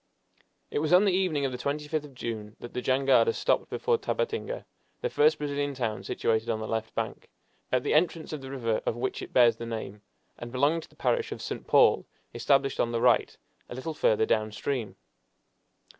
It was on the evening of the 25th of June that the jangada stopped before Tabatinga, the first Brazilian town situated on the left bank, at the entrance of the river of which it bears the name, and belonging to the parish of St. Paul, established on the right a little further down stream.